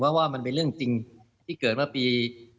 เพราะว่ามันเป็นเรื่องจริงที่เกิดเมื่อปี๒๕๖